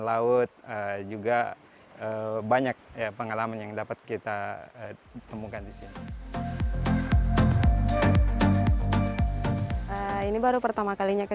laut juga banyak ya pengalaman yang dapat kita temukan disini ini baru pertama kalinya ke